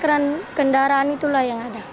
karena kendaraan itulah yang ada